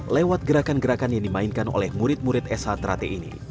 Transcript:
lewat gerakan gerakan yang dimainkan oleh murid murid shi